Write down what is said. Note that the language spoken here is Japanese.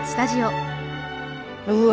うわ！